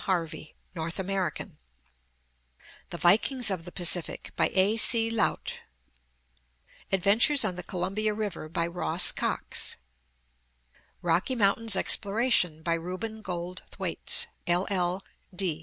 Harvey, North American; The Vikings of the Pacific, XIII FORE WORD by A. C. Laut; Adventures on the Columbia River, by Ross Cox; Rocky Mountains Exploration, by Reuben Gold Thwaites, LL.